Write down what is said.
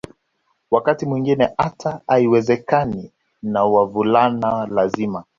Wakati mwingine hata haiwezekani na wavulana lazima